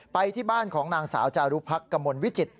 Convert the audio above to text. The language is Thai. ไปที่บ้านของนางสาวจารุพักกมลวิจิตร